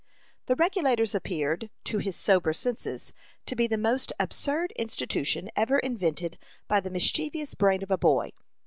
The Regulators appeared, to his sober senses, to be the most absurd institution ever invented by the mischievous brain of a boy.